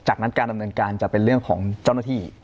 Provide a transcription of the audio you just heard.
จากนั้นการดำเนินการจะเป็นเรื่องของเจ้าหน้าที่